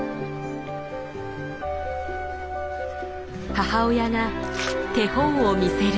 母親が手本を見せる。